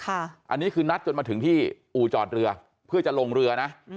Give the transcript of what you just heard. อันนี้คือนัดจนมาถึงที่อู่จอดเรือเพื่อจะลงเรือนะ